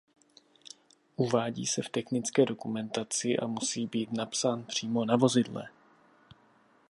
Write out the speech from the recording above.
Uvádí se v technické dokumentaci a musí být napsán přímo na vozidle.